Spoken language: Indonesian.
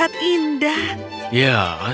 ya tapi kita harus mencari perabotan baru untuk rumah